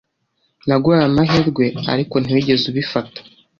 Naguhaye amahirwe, ariko ntiwigeze ubifata